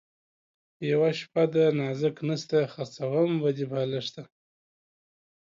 یوه شپه ده نازک نسته ـ خرڅوم به دې بالښته